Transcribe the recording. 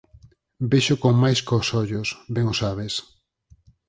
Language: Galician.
Vexo con máis cós ollos, ben o sabes.